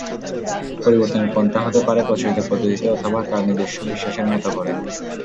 পরিবর্তনের পন্থা হতে পারে প্রচলিত পদ্ধতিতে অথবা তার নিজস্ব বিশ্বাসের মতো করে।